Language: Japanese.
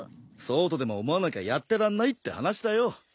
そうとでも思わなきゃやってらんないって話だよ。